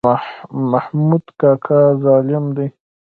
محمود کاکا ظالم دی.